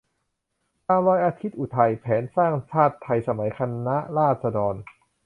ตามรอยอาทิตย์อุทัย : แผนสร้างชาติไทยสมัยคณะราษฎร